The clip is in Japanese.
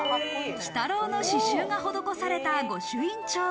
鬼太郎の刺繍が施された御朱印帳。